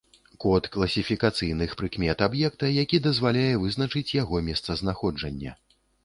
Код класіфікацыйных прыкмет аб'екта, які дазваляе вызначыць яго месцазнаходжанне.